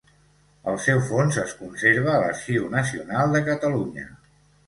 El seu fons es conserva a l'Arxiu Nacional de Catalunya.